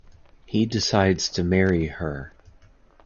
He decides to marry her.